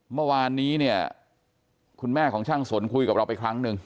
เมื่อวานนี้เนี่ยคุณแม่ของช่างสนคุยกับเราไปครั้งหนึ่ง